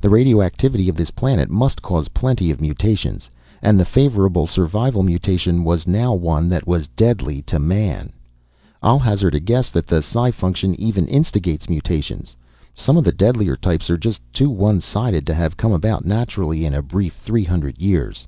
The radioactivity of this planet must cause plenty of mutations and the favorable, survival mutation was now one that was deadly to man. I'll hazard a guess that the psi function even instigates mutations, some of the deadlier types are just too one sided to have come about naturally in a brief three hundred years.